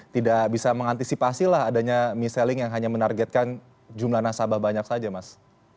tidak bisa mengantisipasi lah adanya mie selling yang hanya menargetkan jumlah nasabah banyak saja mas